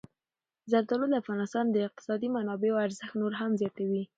زردالو د افغانستان د اقتصادي منابعو ارزښت نور هم زیاتوي.